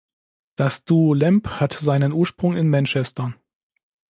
Das Duo Lamb hat seinen Ursprung in Manchester.